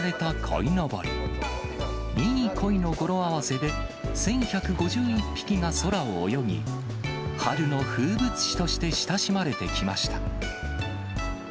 いい鯉の語呂合わせで１１５１匹が空を泳ぎ、春の風物詩として親しまれてきました。